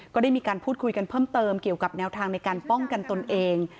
ก็ได้มีการพูดคุยกันเพิ่มเติมเกี่ยวกับแนวทางในการป้องกันตนเอง